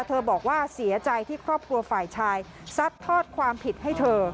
บอกว่าเสียใจที่ครอบครัวฝ่ายชายซัดทอดความผิดให้เธอ